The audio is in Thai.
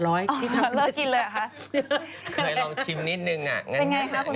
อ๋อเลิกกินเลยค่ะเคยลองชิมนิดนึงอ่ะ